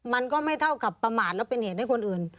มันก็ไม่เท่ากับประมาทแล้วเป็นเหตุให้คนอื่น